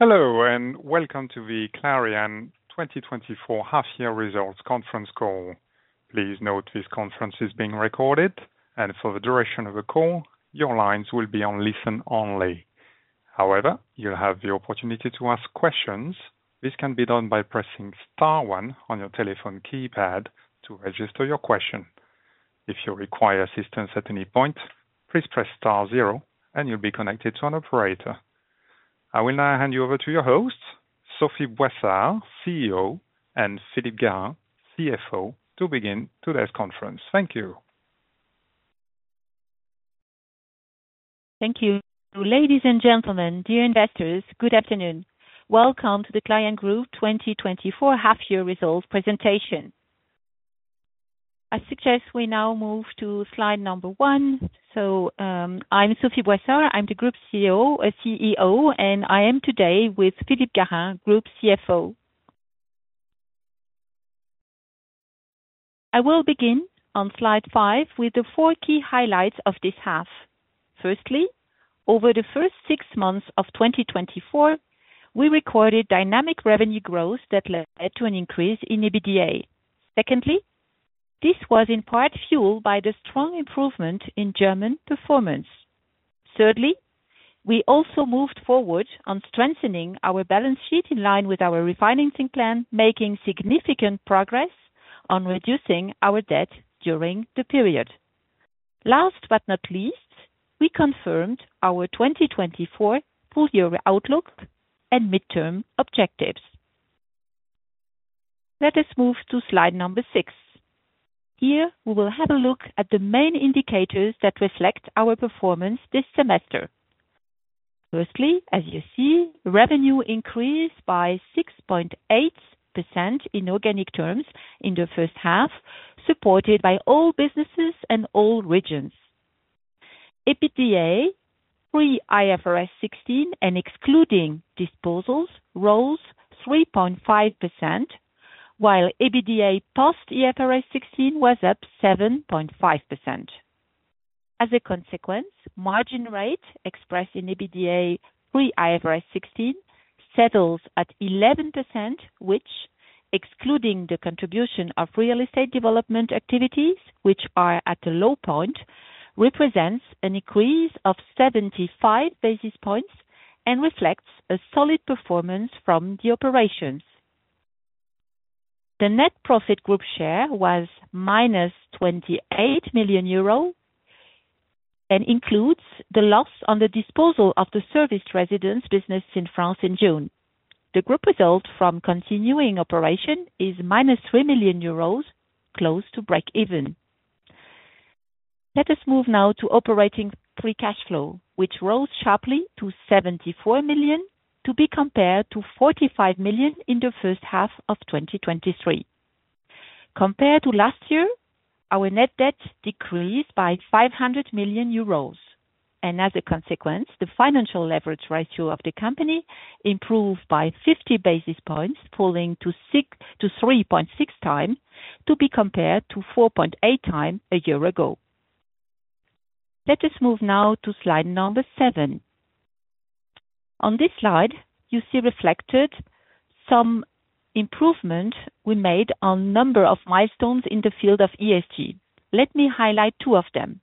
Hello, and welcome to the Clariane 2024 half year results conference call. Please note this conference is being recorded, and for the duration of the call, your lines will be on listen only. However, you'll have the opportunity to ask questions. This can be done by pressing star one on your telephone keypad to register your question. If you require assistance at any point, please press star zero and you'll be connected to an operator. I will now hand you over to your host, Sophie Boissard, CEO, and Philippe Garin, CFO, to begin today's conference. Thank you. Thank you. Ladies and gentlemen, dear investors, good afternoon. Welcome to the Clariane Group 2024 half year results presentation. I suggest we now move to slide number one. So, I'm Sophie Boissard, I'm the Group CEO, CEO, and I am today with Philippe Garin, Group CFO. I will begin on slide five with the four key highlights of this half. Firstly, over the first six months of 2024, we recorded dynamic revenue growth that led to an increase in EBITDA. Secondly, this was in part fueled by the strong improvement in German performance. Thirdly, we also moved forward on strengthening our balance sheet in line with our refinancing plan, making significant progress on reducing our debt during the period. Last but not least, we confirmed our 2024 full year outlook and midterm objectives. Let us move to slide number six. Here, we will have a look at the main indicators that reflect our performance this semester. Firstly, as you see, revenue increased by 6.8% in organic terms in the first half, supported by all businesses and all regions. EBITDA, pre-IFRS 16 and excluding disposals, rose 3.5%, while EBITDA post-IFRS 16 was up 7.5%. As a consequence, margin rate expressed in EBITDA pre-IFRS 16 settles at 11%, which, excluding the contribution of real estate development activities, which are at a low point, represents an increase of 75 basis points and reflects a solid performance from the operations. The net profit group share was -28 million euro and includes the loss on the disposal of the serviced residence business in France in June. The group result from continuing operation is -3 million euros, close to breakeven. Let us move now to operating free cash flow, which rose sharply to 74 million, to be compared to 45 million in the first half of 2023. Compared to last year, our net debt decreased by 500 million euros, and as a consequence, the financial leverage ratio of the company improved by 50 basis points, falling to 3.6x, to be compared to 4.8x a year ago. Let us move now to slide number seven. On this slide, you see reflected some improvement we made on number of milestones in the field of ESG. Let me highlight two of them.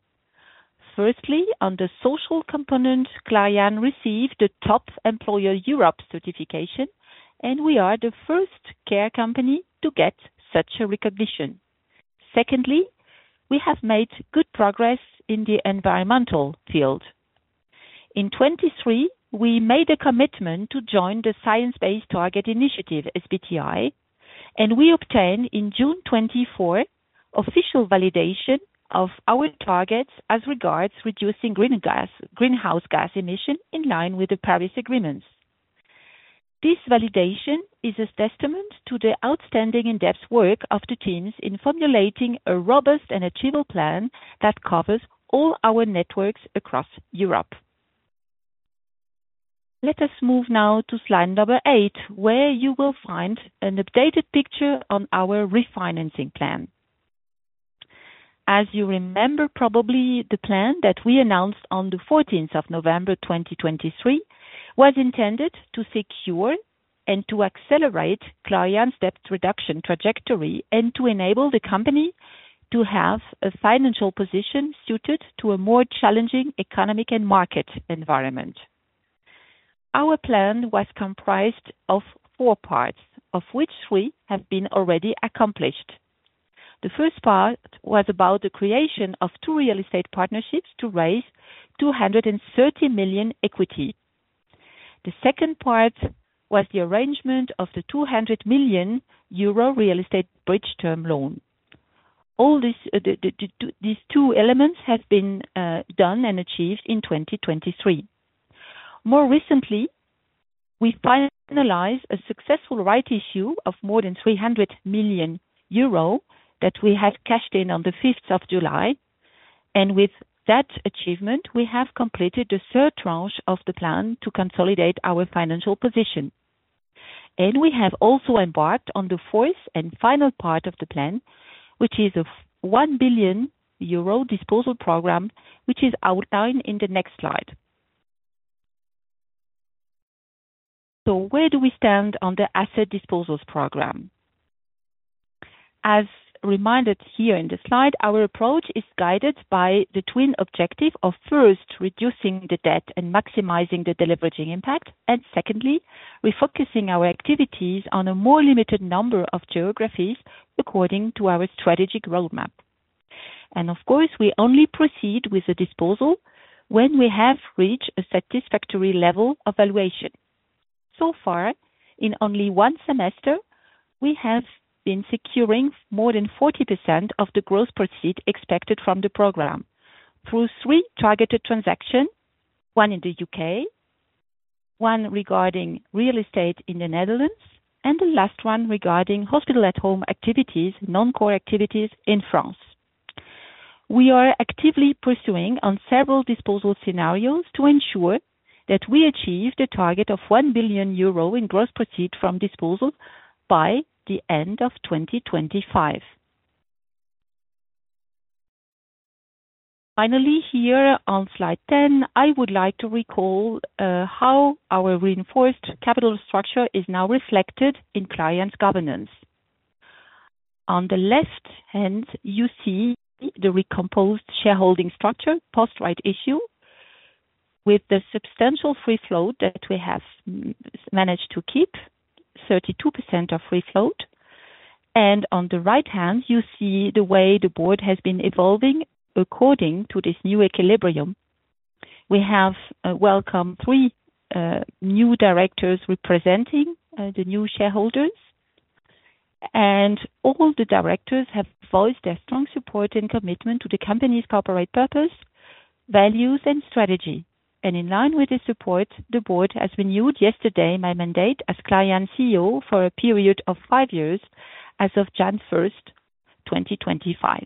Firstly, on the social component, Clariane received a Top Employer Europe certification, and we are the first care company to get such a recognition. Secondly, we have made good progress in the environmental field. In 2023, we made a commitment to join the Science Based Targets initiative, SBTi, and we obtained, in June 2024, official validation of our targets as regards reducing greenhouse gas emission in line with the Paris Agreements. This validation is a testament to the outstanding in-depth work of the teams in formulating a robust and achievable plan that covers all our networks across Europe. Let us move now to slide number eight, where you will find an updated picture on our refinancing plan. As you remember, probably the plan that we announced on the 14th of November 2023, was intended to secure and to accelerate Clariane's debt reduction trajectory and to enable the company to have a financial position suited to a more challenging economic and market environment. Our plan was comprised of four parts, of which three have been already accomplished. The first part was about the creation of two real estate partnerships to raise 230 million equity. The second part was the arrangement of the 200 million euro real estate bridge term loan. All these, these two elements have been done and achieved in 2023. More recently, we finalized a successful rights issue of more than 300 million euro that we have cashed in on the 5th of July, and with that achievement, we have completed the third tranche of the plan to consolidate our financial position, and we have also embarked on the fourth and final part of the plan, which is of 1 billion euro disposal program, which is outlined in the next slide. So where do we stand on the asset disposals program? As reminded here in the slide, our approach is guided by the twin objective of, first, reducing the debt and maximizing the deleveraging impact, and secondly, refocusing our activities on a more limited number of geographies according to our strategic roadmap. And of course, we only proceed with the disposal when we have reached a satisfactory level of valuation. So far, in only one semester, we have been securing more than 40% of the gross proceeds expected from the program through three targeted transactions, one in the UK, one regarding real estate in the Netherlands, and the last one regarding hospital-at-home activities, non-core activities in France. We are actively pursuing on several disposal scenarios to ensure that we achieve the target of 1 billion euro in gross proceeds from disposals by the end of 2025. Finally, here on slide 10, I would like to recall how our reinforced capital structure is now reflected in Clariane's governance. On the left hand, you see the recomposed shareholding structure, post rights issue, with the substantial free float that we have managed to keep, 32% of free float. On the right hand, you see the way the board has been evolving according to this new equilibrium. We have welcomed three new directors representing the new shareholders, and all the directors have voiced their strong support and commitment to the company's corporate purpose, values, and strategy. In line with the support, the board has renewed yesterday my mandate as Clariane CEO for a period of five years as of January 1st, 2025.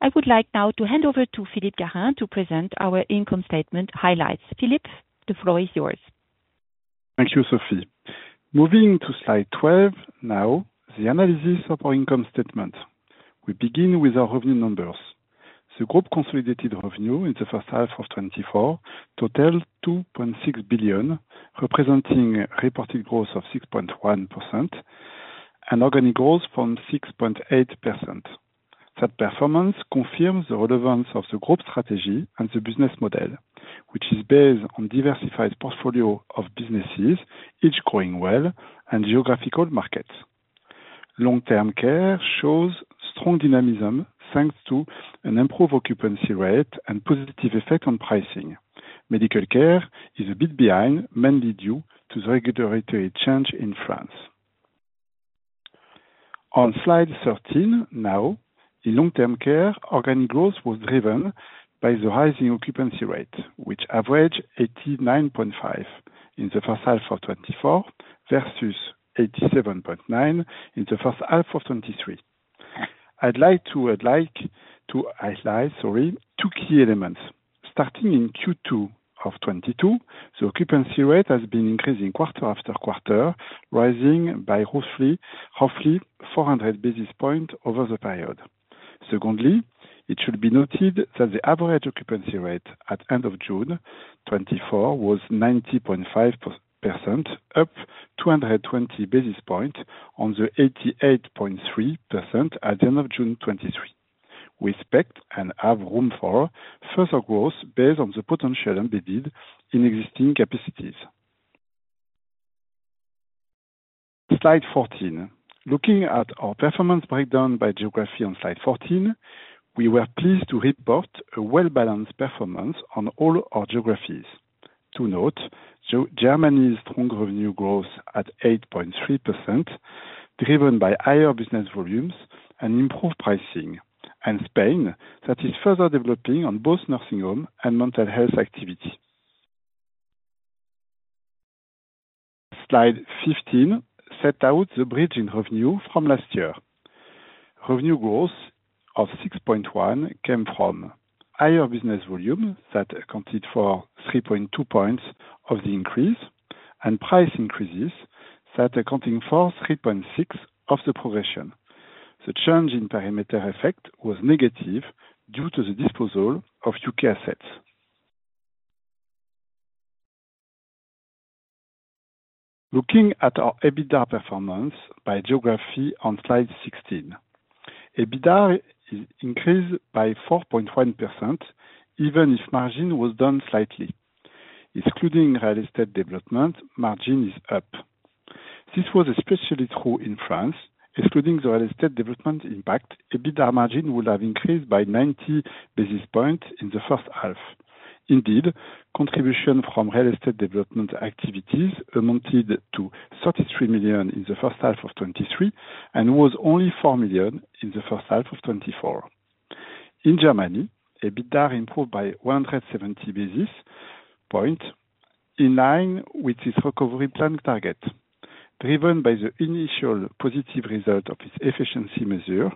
I would like now to hand over to Philippe Garin to present our income statement highlights. Philippe, the floor is yours. Thank you, Sophie. Moving to slide 12, now, the analysis of our income statement. We begin with our revenue numbers. The group consolidated revenue in the first half of 2024, totaled 2.6 billion, representing a reported growth of 6.1% and organic growth from 6.8%. That performance confirms the relevance of the group strategy and the business model, which is based on diversified portfolio of businesses, each growing well and geographical markets. Long-term care shows strong dynamism, thanks to an improved occupancy rate and positive effect on pricing. Medical care is a bit behind, mainly due to the regulatory change in France. On slide 13, now, the long-term care organic growth was driven by the rising occupancy rate, which averaged 89.5 in the first half of 2024, versus 87.9 in the first half of 2023. I'd like to, I'd like to highlight, sorry, two key elements. Starting in Q2 of 2022, the occupancy rate has been increasing quarter after quarter, rising by roughly, roughly 400 basis points over the period. Secondly, it should be noted that the average occupancy rate at end of June 2024 was 90.5%, up 220 basis points on the 88.3% at the end of June 2023. We expect and have room for further growth based on the potential embedded in existing capacities. Slide 14. Looking at our performance breakdown by geography on slide 14, we were pleased to report a well-balanced performance on all our geographies. To note, Germany's strong revenue growth at 8.3%, driven by higher business volumes and improved pricing. And Spain, that is further developing on both nursing home and mental health activity. Slide 15 sets out the bridge in revenue from last year. Revenue growth of 6.1 came from higher business volume that accounted for 3.2 points of the increase, and price increases that accounted for 3.6 of the progression. The change in perimeter effect was negative due to the disposal of UK assets. Looking at our EBITDA performance by geography on Slide 16. EBITDA increased by 4.1%, even if margin was down slightly. Excluding real estate development, margin is up. This was especially true in France, excluding the real estate development impact, EBITDA margin would have increased by 90 basis points in the first half. Indeed, contribution from real estate development activities amounted to 33 million in the first half of 2023, and was only 4 million in the first half of 2024. In Germany, EBITDA improved by 170 basis points, in line with its recovery plan target, driven by the initial positive result of its efficiency measure.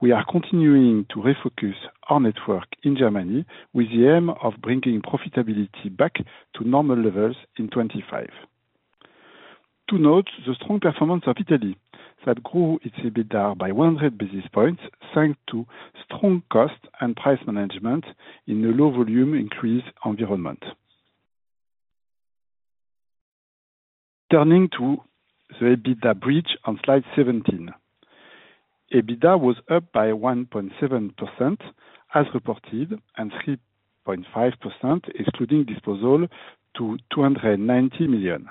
We are continuing to refocus our network in Germany with the aim of bringing profitability back to normal levels in 2025. To note, the strong performance of Italy, that grew its EBITDA by 100 basis points, thanks to strong cost and price management in a low volume increase environment. Turning to the EBITDA bridge on slide 17. EBITDA was up by 1.7%, as reported, and 3.5%, excluding disposal, to 290 million.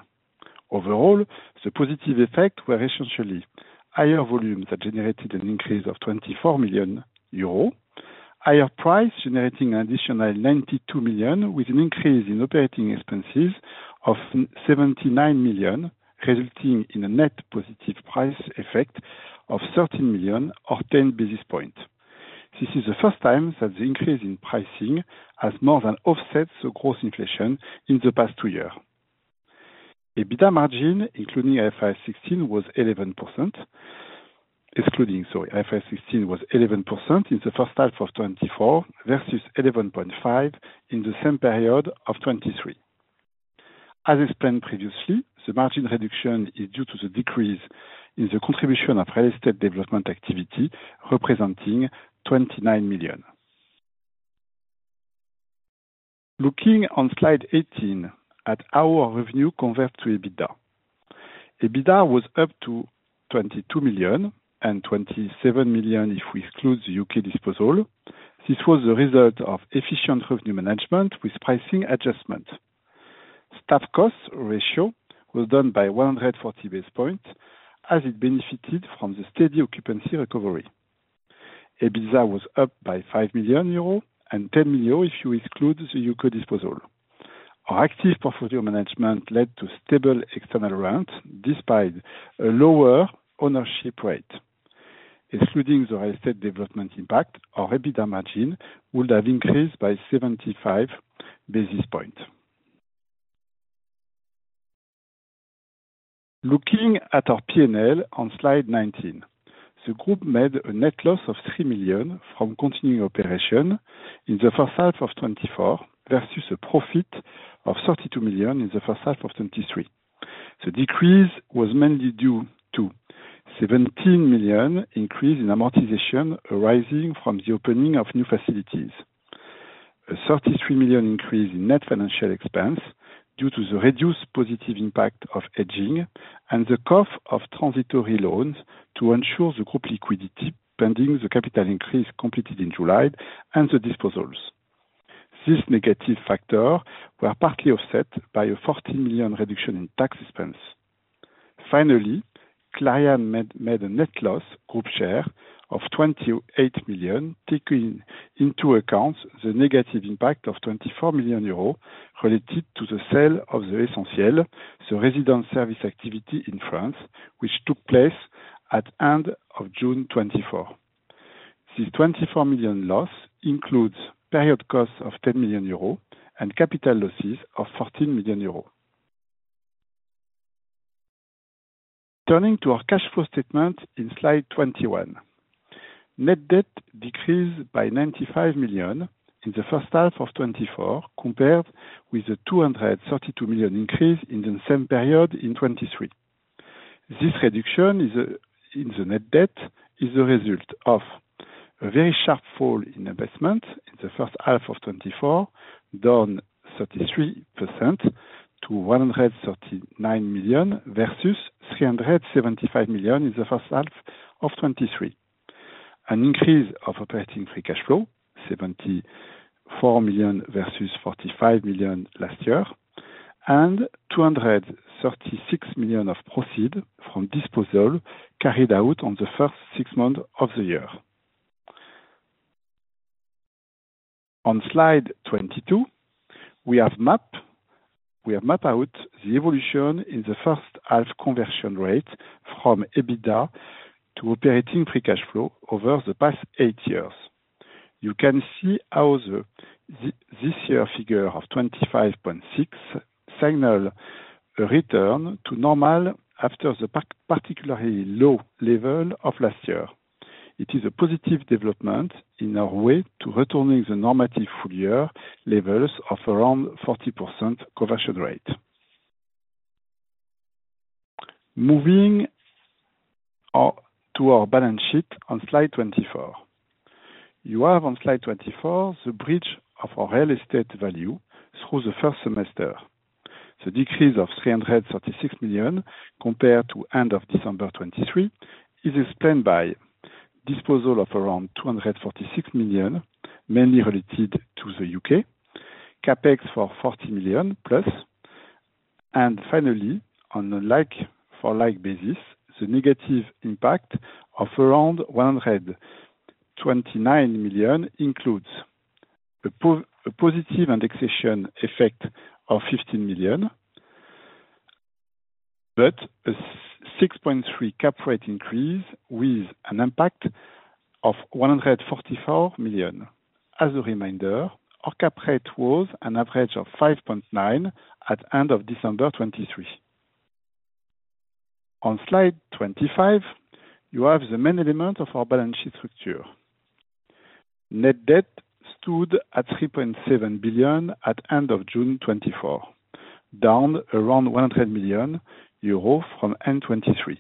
Overall, the positive effect were essentially higher volumes that generated an increase of 24 million euro. Higher prices generating an additional 92 million, with an increase in operating expenses of 79 million, resulting in a net positive price effect of 13 million or 10 basis points. This is the first time that the increase in pricing has more than offset the gross inflation in the past two years. EBITDA margin, including IFRS 16, was 11%-- excluding, sorry, IFRS 16, was 11% in the first half of 2024, versus 11.5% in the same period of 2023. As explained previously, the margin reduction is due to the decrease in the contribution of real estate development activity, representing EUR 29 million. Looking on slide 18, at how our revenue convert to EBITDA. EBITDA was up to 22 million, and 27 million if we exclude the UK disposal. This was a result of efficient revenue management with pricing adjustment. Staff costs ratio was down by 140 basis points, as it benefited from the steady occupancy recovery. EBITDA was up by 5 million euros and 10 million, if you exclude the UK disposal. Our active portfolio management led to stable external rent, despite a lower ownership rate. Excluding the real estate development impact, our EBITDA margin would have increased by 75 basis points. Looking at our P&L on slide 19, the group made a net loss of 3 million from continuing operation in the first half of 2024, versus a profit of 32 million in the first half of 2023. The decrease was mainly due to 17 million increase in amortization, arising from the opening of new facilities. A 33 million increase in net financial expense, due to the reduced positive impact of hedging, and the cost of transitory loans to ensure the group liquidity, pending the capital increase completed in July and the disposals. These negative factors were partly offset by a 40 million reduction in tax expense. Finally, Clariane made a net loss group share of 28 million, taking into account the negative impact of 24 million euro related to the sale of the Essentielles, the resident service activity in France, which took place at end of June 2024. This 24 million loss includes period costs of 10 million euro and capital losses of 14 million euro. Turning to our cash flow statement in slide 21. Net debt decreased by 95 million in the first half of 2024, compared with the 232 million increase in the same period in 2023. This reduction in the net debt is a result of a very sharp fall in investment in the first half of 2024, down 33% to 139 million, versus 375 million in the first half of 2023. An increase of operating free cash flow, 74 million versus 45 million last year, and 236 million of proceeds from disposal carried out on the first six months of the year. On slide 22, we have mapped out the evolution in the first half conversion rate from EBITDA to operating free cash flow over the past eight years. You can see how the this year figure of 25.6 signal a return to normal after the particularly low level of last year. It is a positive development in our way to returning the normative full year levels of around 40% conversion rate. Moving to our balance sheet on slide 24. You have on slide 24, the bridge of our real estate value through the first semester. The decrease of 336 million, compared to end of December 2023, is explained by disposal of around 246 million, mainly related to the UK. CapEx for 40 million+, and finally, on a like for like basis, the negative impact of around 129 million includes the positive acquisition effect of 15 million, but a 6.3 cap rate increase, with an impact of 144 million. As a reminder, our cap rate was an average of 5.9 at end of December 2023. On slide 25, you have the main element of our balance sheet structure. Net debt stood at 3.7 billion at end of June 2024, down around 100 million euro from end 2023.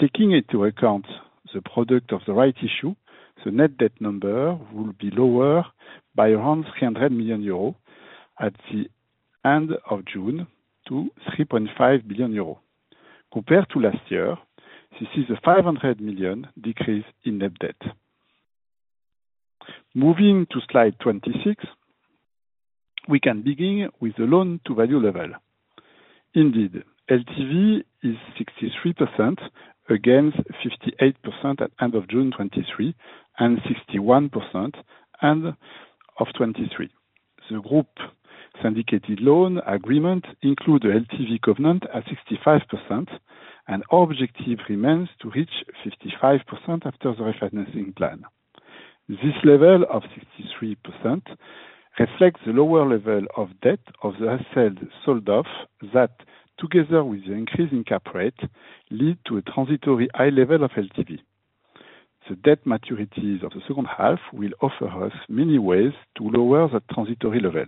Taking into account the proceeds of the rights issue, the net debt number will be lower by around 300 million euros at the end of June to 3.5 billion euros. Compared to last year, this is a 500 million decrease in net debt. Moving to slide 26, we can begin with the loan to value level. Indeed, LTV is 63%, against 58% at end of June 2023, and 61%, end of 2023. The group syndicated loan agreement includes the LTV covenant at 65%, and our objective remains to reach 55% after the refinancing plan. This level of 63% reflects the lower level of debt of the asset sold off, that together with the increase in cap rate, lead to a transitory high level of LTV. The debt maturities of the second half will offer us many ways to lower the transitory level.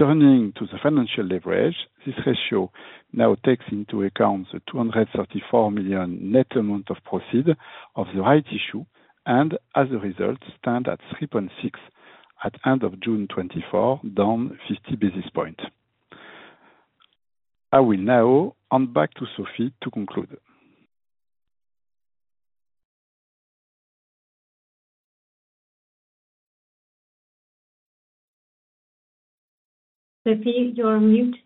Turning to the financial leverage, this ratio now takes into account the 234 million net amount of proceeds of the rights issue, and as a result, stand at 3.6 at end of June 2024, down 50 basis points. I will now hand back to Sophie to conclude. Sophie, you're on mute.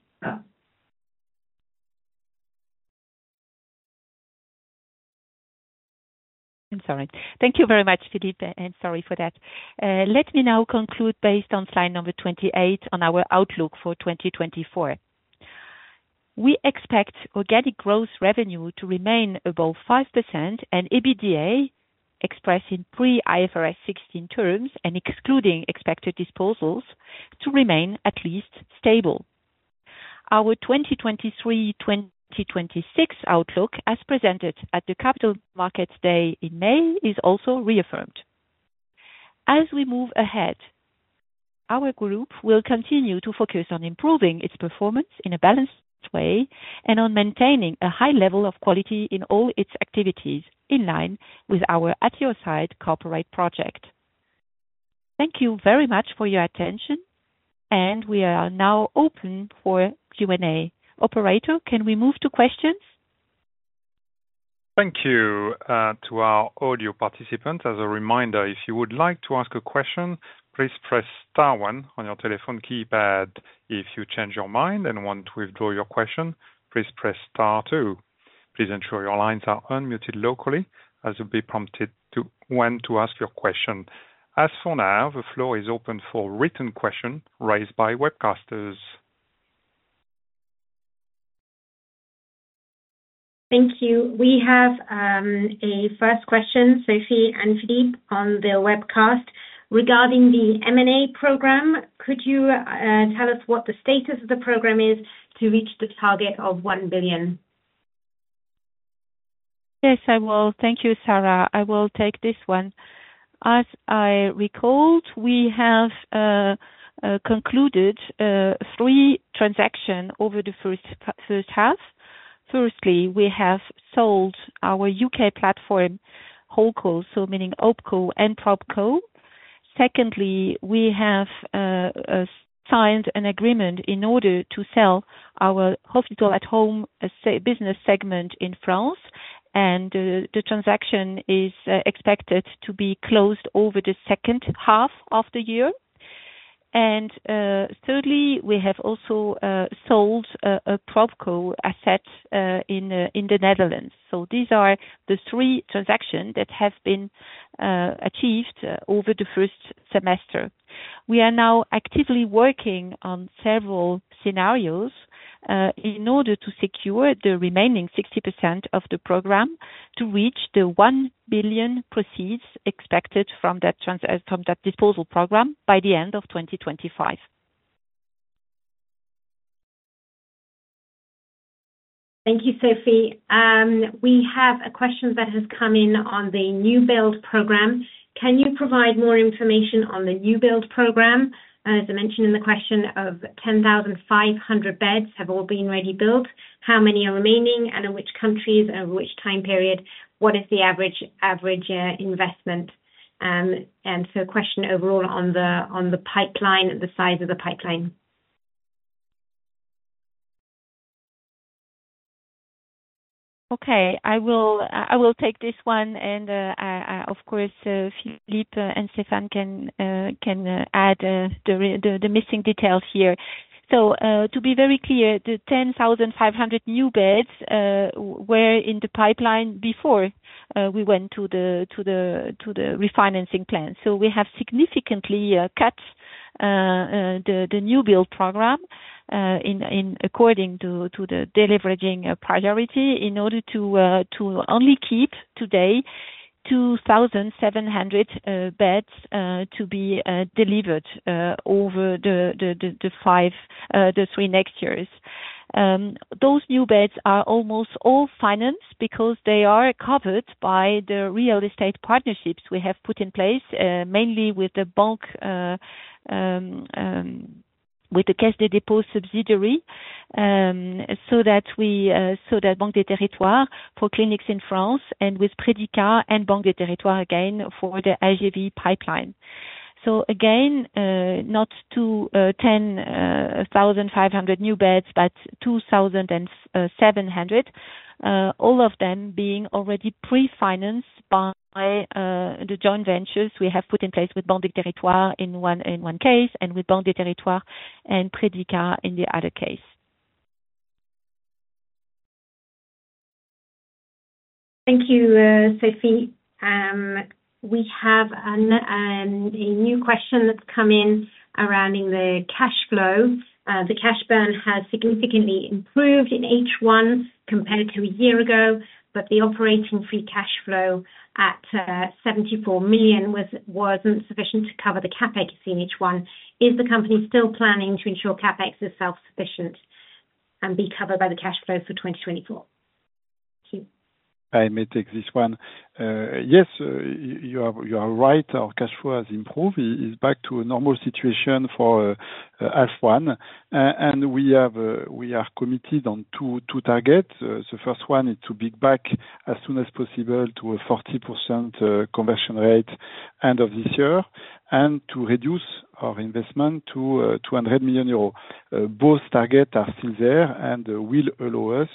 I'm sorry. Thank you very much, Philippe, and sorry for that. Let me now conclude based on slide number 28 on our outlook for 2024. We expect organic growth revenue to remain above 5%, and EBITDA expressed in pre-IFRS 16 terms, and excluding expected disposals, to remain at least stable. Our 2023-2026 outlook, as presented at the Capital Markets Day in May, is also reaffirmed. As we move ahead, our group will continue to focus on improving its performance in a balanced way, and on maintaining a high level of quality in all its activities, in line with our At Your Side corporate project. Thank you very much for your attention, and we are now open for Q&A. Operator, can we move to questions? Thank you to our audio participants. As a reminder, if you would like to ask a question, please press star one on your telephone keypad. If you change your mind and want to withdraw your question, please press star two. Please ensure your lines are un-muted locally, as you'll be prompted to when to ask your question. As for now, the floor is open for written question raised by webcasters. Thank you. We have a first question, Sophie and Philippe, on the webcast. Regarding the M&A program, could you tell us what the status of the program is to reach the target of 1 billion? Yes, I will. Thank you, Sarah, I will take this one. As I recalled, we have concluded three transactions over the first half. Firstly, we have sold our UK platform, HoldCo, so meaning OpCo and PropCo. Secondly, we have signed an agreement in order to sell our hospital-at-home business segment in France, and the transaction is expected to be closed over the second half of the year. And thirdly, we have also sold a PropCo asset in the Netherlands. So these are the three transactions that have been achieved over the first semester. We are now actively working on several scenarios, in order to secure the remaining 60% of the program, to reach the 1 billion proceeds expected from that disposal program by the end of 2025. Thank you, Sophie. We have a question that has come in on the new build program. Can you provide more information on the new build program? As I mentioned in the question, of 10,500 beds have all been already built, how many are remaining, and in which countries, and which time period? What is the average investment? And so question overall on the pipeline, the size of the pipeline. Okay, I will take this one, and of course, Philippe and Stéphane can add the missing details here. So, to be very clear, the 10,500 new beds were in the pipeline before we went to the refinancing plan. So we have significantly cut the new build program in accordance to the deleveraging priority, in order to only keep today 2,700 beds to be delivered over the three next years. Those new beds are almost all financed because they are covered by the real estate partnerships we have put in place, mainly with the bank, with the Caisse des Dépôts subsidiary. So that Banque des Territoires for clinics in France, and with Predica and Banque des Territoires, again, for the AGV pipeline. So again, not to 10,500 new beds, but 2,700, all of them being already pre-financed by the joint ventures we have put in place with Banque des Territoires in one case, and with Banque des Territoires and Predica in the other case. Thank you, Sophie. We have a new question that's come in around the cash flow. The cash burn has significantly improved in H1 compared to a year ago, but the operating free cash flow at 74 million wasn't sufficient to cover the CapEx in H1. Is the company still planning to ensure CapEx is self-sufficient, and be covered by the cash flow for 2024? Thank you. I may take this one. Yes, you are right. Our cash flow has improved. It is back to a normal situation for H1, and we are committed on two targets. So first one is to be back as soon as possible to a 40% conversion rate end of this year, and to reduce our investment to 200 million euros. Both targets are still there, and will allow us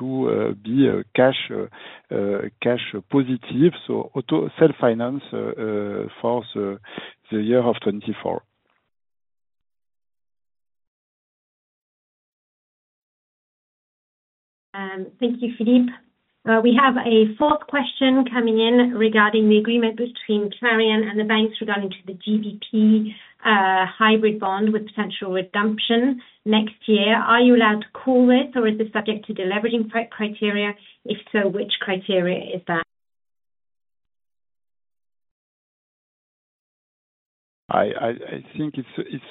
to be cash positive, so auto-self-finance for the year of 2024. Thank you, Philippe. We have a fourth question coming in regarding the agreement between Clariane and the banks regarding to the hybrid bond with potential redemption next year. Are you allowed to call it, or is it subject to the leveraging criteria? If so, which criteria is that? I think it's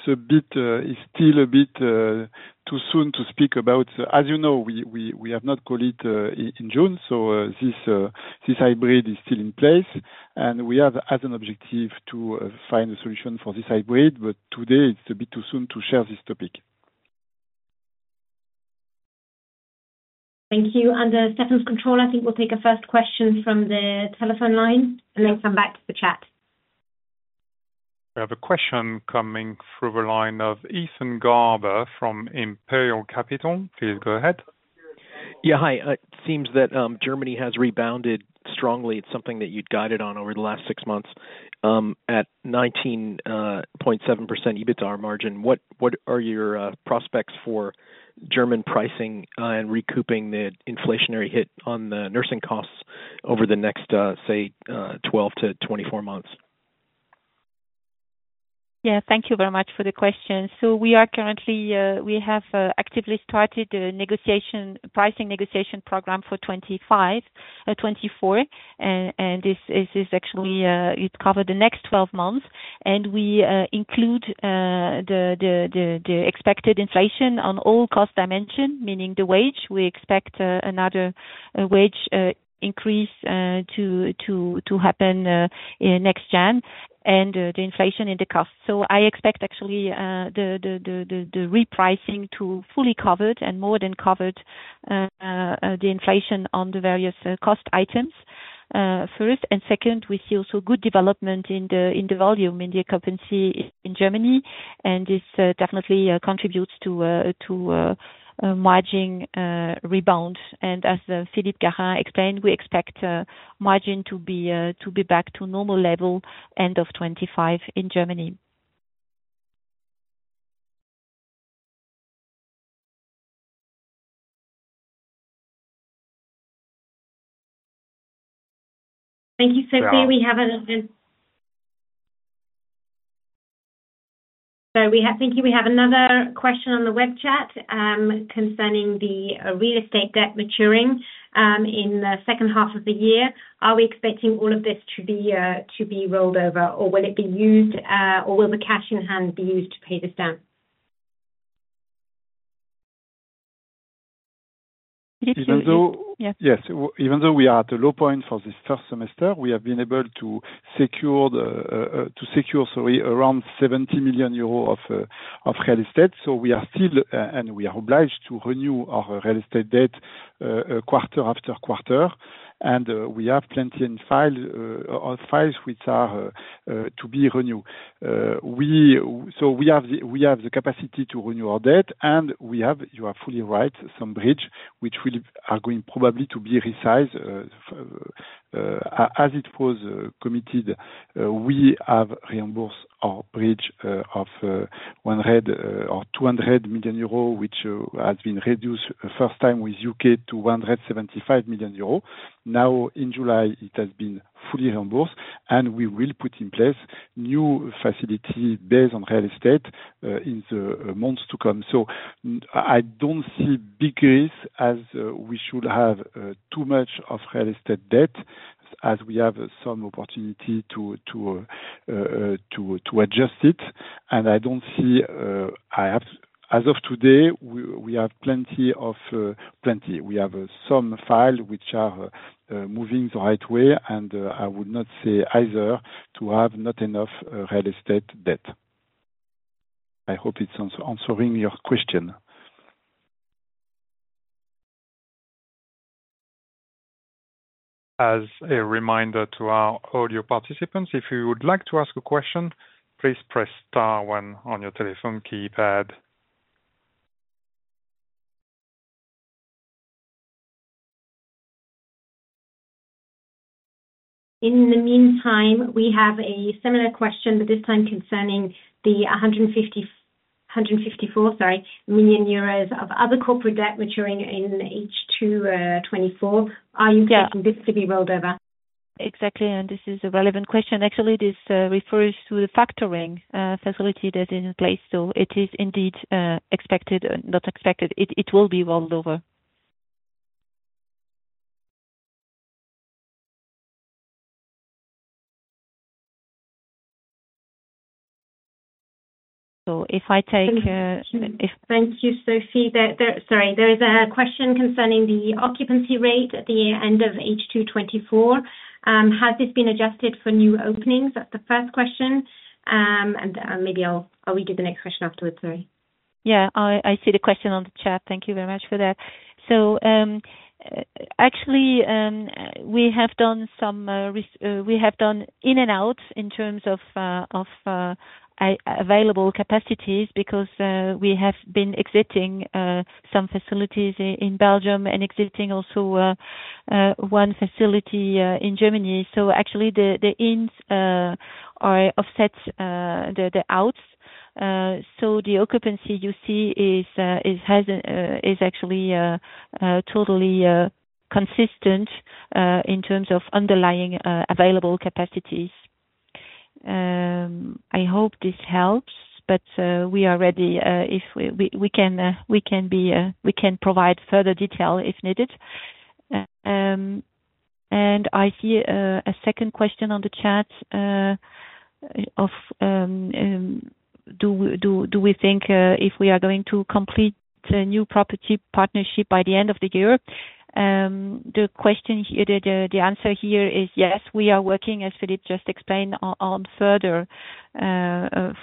a bit, it's still a bit too soon to speak about. As you know, we have not called it in June, so this hybrid is still in place, and we have, as an objective, to find a solution for this hybrid, but today, it's a bit too soon to share this topic. Thank you. Under Stéphane's control, I think we'll take a first question from the telephone line, and then come back to the chat. We have a question coming through the line of Ethan Garber from Imperial Capital. Please go ahead. Yeah. Hi. It seems that Germany has rebounded strongly. It's something that you'd guided on over the last six months. At 19.7% EBITDA margin, what are your prospects for German pricing and recouping the inflationary hit on the nursing costs over the next, say, 12-24 months? Yeah, thank you very much for the question. So we are currently, we have, actively started a negotiation, pricing negotiation program for 2025, 2024. And this is actually, it cover the next 12 months, and we include the expected inflation on all cost dimension, meaning the wage. We expect another wage increase to happen in next year, and the inflation in the cost. So I expect actually the repricing to fully cover it, and more than cover it the inflation on the various cost items, first. And second, we see also good development in the volume, in the occupancy in Germany, and this definitely contributes to a margin rebound. As Philippe Garin explained, we expect margin to be back to normal level end of 2025 in Germany. Thank you, Sophie. We have another question on the web chat concerning the real estate debt maturing in the second half of the year. Are we expecting all of this to be rolled over, or will it be used, or will the cash in hand be used to pay this down? Philippe, do you- Even though- Yes. Yes, even though we are at a low point for this first semester, we have been able to secure the, to secure, sorry, around 70 million euro of real estate. So we are still, and we are obliged to renew our real estate debt, quarter after quarter. And, we have plenty in file, of files, which are, to be renew. We, so we have the, we have the capacity to renew our debt, and we have, you are fully right, some bridge, which will, are going probably to be resized. As it was committed, we have reimbursed our bridge, of 100 or 200 million euros, which has been reduced first time with UK to 175 million euros. Now, in July, it has been fully reimbursed, and we will put in place new facility based on real estate, in the months to come. So I don't see big risk as we should have too much of real estate debt.... as we have some opportunity to adjust it, and I don't see, I have, as of today, we have plenty of plenty. We have some file which are moving the right way, and I would not say either to have not enough real estate debt. I hope it's answering your question. As a reminder to our audio participants, if you would like to ask a question, please press star one on your telephone keypad. In the meantime, we have a similar question, but this time concerning the 154 million euros, sorry, of other corporate debt maturing in H2 2024. Are you- Yeah. Expecting this to be rolled over? Exactly, and this is a relevant question. Actually, this, refers to the factoring, facility that is in place. So it is indeed, expected, not expected. It, it will be rolled over. So if I take, if- Thank you, Sophie. Sorry, there is a question concerning the occupancy rate at the end of H2 2024. Has this been adjusted for new openings? That's the first question. Maybe I'll read you the next question afterwards, sorry. Yeah, I see the question on the chat. Thank you very much for that. So, actually, we have done some in and outs in terms of available capacities, because we have been exiting some facilities in Belgium, and exiting also one facility in Germany. So actually the ins are offsets the outs. So the occupancy you see is has is actually totally consistent in terms of underlying available capacities. I hope this helps, but we are ready if we can provide further detail if needed. And I see a second question on the chat of do we think if we are going to complete the new property partnership by the end of the year? The answer here is yes, we are working, as Philippe just explained, on further partnerships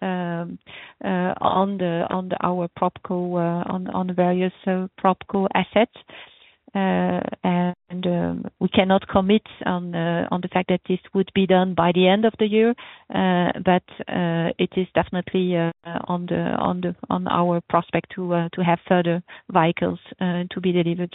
on our PropCo on the various PropCo assets. And we cannot commit on the fact that this would be done by the end of the year, but it is definitely on our prospect to have further vehicles to be delivered.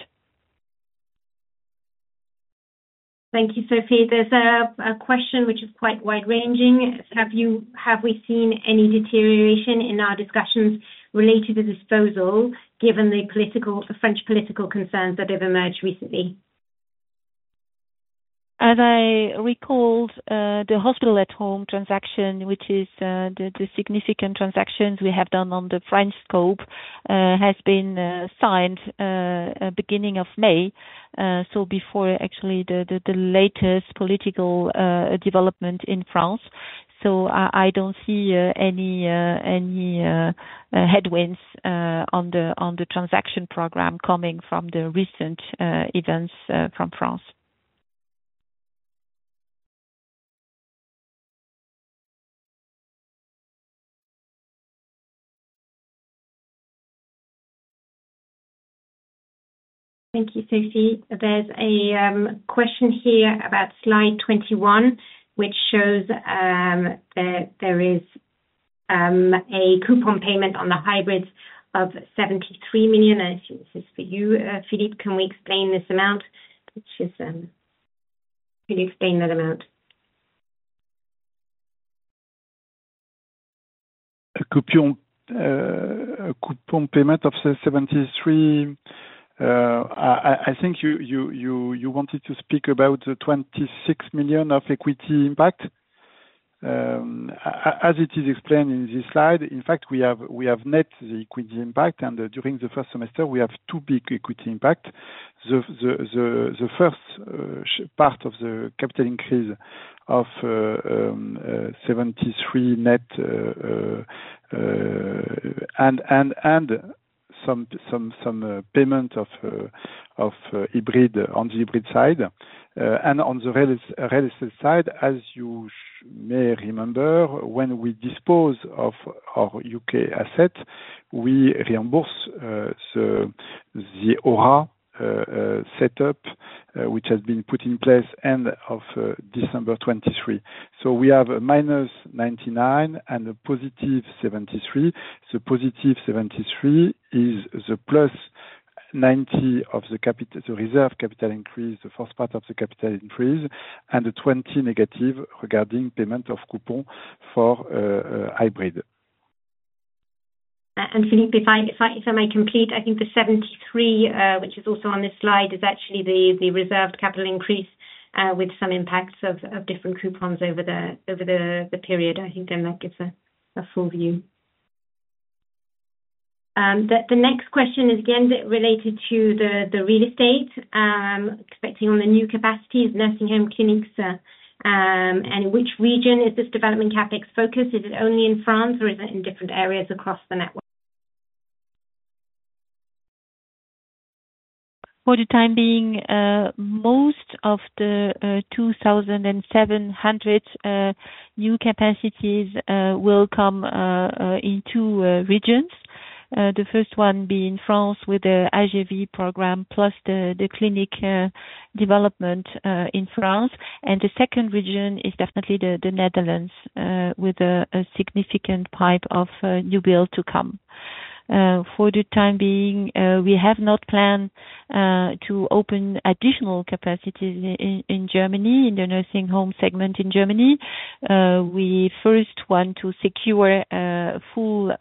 Thank you, Sophie. There's a question which is quite wide-ranging. Have you, have we seen any deterioration in our discussions related to disposal, given the political, the French political concerns that have emerged recently? As I recalled, the hospital-at-home transaction, which is the significant transactions we have done on the French scope, has been signed beginning of May. So before actually the latest political development in France. So I don't see any headwinds on the transaction program coming from the recent events from France. Thank you, Sophie. There's a question here about slide 21, which shows that there is a coupon payment on the hybrids of 73 million. I think this is for you, Philippe. Can we explain this amount? Which is, can you explain that amount? A coupon, a coupon payment of say, 73 million, I think you wanted to speak about the 26 million of equity impact. As it is explained in this slide, in fact, we have net the equity impact, and during the first semester, we have two big equity impact. The first part of the capital increase of EUR 73 million net, and some payment of hybrid on the hybrid side. And on the real estate side, as you may remember, when we dispose of our UK asset, we reimburse, so the whole setup, which has been put in place end of December 2023. So we have a -99 million and a +73 million. The +73 is the +90 of the capital, the reserve capital increase, the first part of the capital increase, and the -20 regarding payment of coupon for hybrid. And Philippe, if I may complete, I think the 73, which is also on this slide, is actually the reserved capital increase, with some impacts of different coupons over the period. I think then that gives a full view. The next question is again related to the real estate, expecting on the new capacities, nursing home clinics, and which region is this development CapEx focused? Is it only in France or is it in different areas across the network? For the time being, most of the 2,700 new capacities will come in two regions. The first one being France, with the AGV program, plus the clinic development in France. The second region is definitely the Netherlands, with a significant pipeline of new build to come. For the time being, we have not planned to open additional capacities in Germany, in the nursing home segment in Germany. We first want to secure full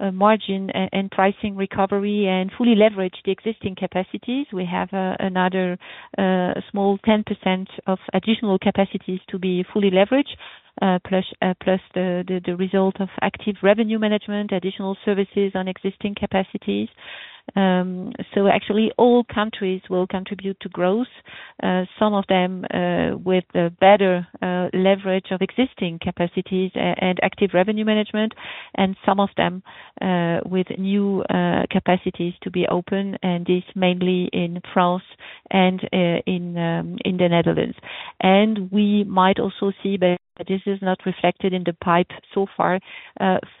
margin and pricing recovery, and fully leverage the existing capacities. We have another small 10% of additional capacities to be fully leveraged, plus the result of active revenue management, additional services on existing capacities. So actually all countries will contribute to growth. Some of them with the better leverage of existing capacities and active revenue management, and some of them with new capacities to be open, and this mainly in France and in the Netherlands. We might also see that this is not reflected in the pipeline so far,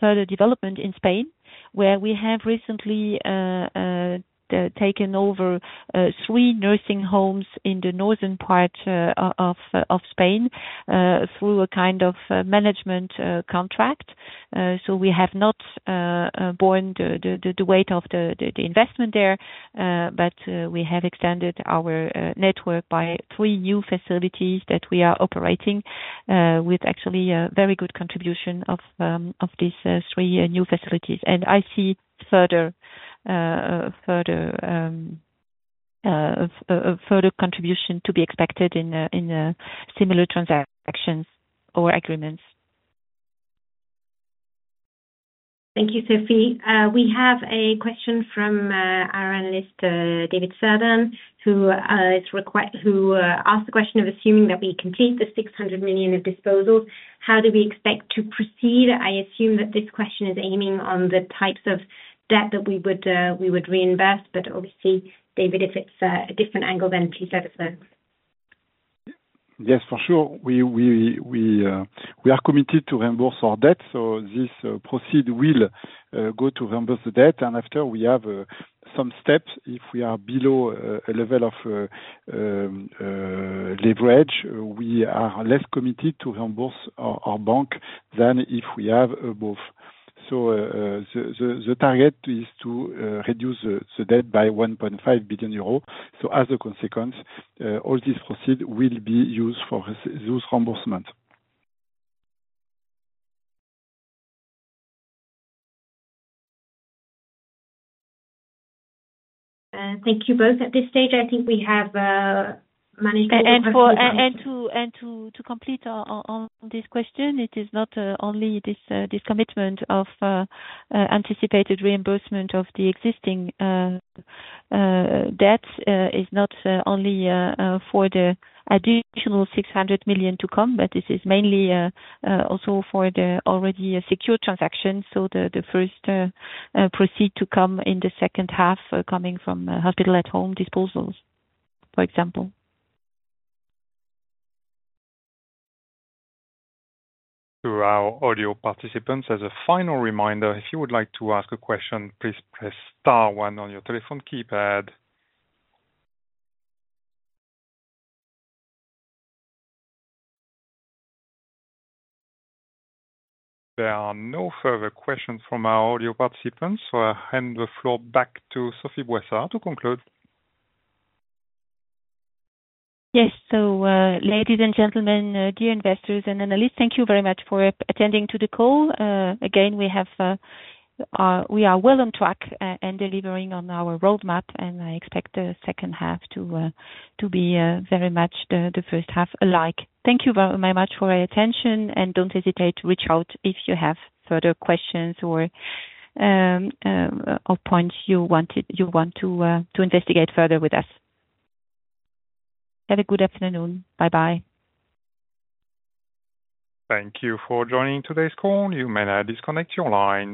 further development in Spain, where we have recently taken over three nursing homes in the northern part of Spain through a kind of management contract. So we have not borne the weight of the investment there, but we have extended our network by three new facilities that we are operating with actually a very good contribution of these three new facilities. And I see further contribution to be expected in similar transactions or agreements. Thank you, Sophie. We have a question from our analyst, David Southern, who asked the question of assuming that we complete the 600 million of disposal, how do we expect to proceed? I assume that this question is aiming on the types of debt that we would reinvest, but obviously, David, if it's a different angle, then please let us know. Yes, for sure. We are committed to reimburse our debt, so this proceeds will go to reimburse the debt. And after we have some steps, if we are below a level of leverage, we are less committed to reimburse our bank than if we have above. So the target is to reduce the debt by 1.5 billion euros. So as a consequence, all this proceeds will be used for those reimbursement. Thank you both. At this stage, I think we have managed- To complete on this question, it is not only this commitment of anticipated reimbursement of the existing debts. Is not only for the additional 600 million to come, but this is mainly also for the already secured transaction. So the first proceeds to come in the second half, coming from hospital-at-home disposals, for example. To our audio participants, as a final reminder, if you would like to ask a question, please press star one on your telephone keypad. There are no further questions from our audio participants, so I hand the floor back to Sophie Boissard to conclude. Yes. So, ladies and gentlemen, dear investors and analysts, thank you very much for attending to the call. Again, we have, we are well on track, and delivering on our roadmap, and I expect the second half to be very much the first half alike. Thank you very much for your attention, and don't hesitate to reach out if you have further questions or points you want to investigate further with us. Have a good afternoon. Bye-bye. Thank you for joining today's call. You may now disconnect your line.